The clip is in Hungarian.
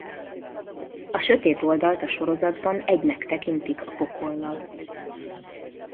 A sötét oldalt a sorozatban egynek tekintik a pokollal.